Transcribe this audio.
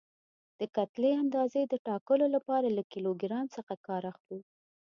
د کتلې اندازې د ټاکلو لپاره له کیلو ګرام څخه کار اخلو.